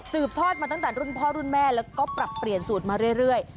ทอดมาตั้งแต่รุ่นพ่อรุ่นแม่แล้วก็ปรับเปลี่ยนสูตรมาเรื่อย